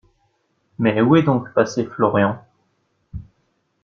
Mais où est donc passé Florian?